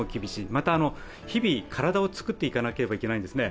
また、日々体を作っていかなければならないんですね。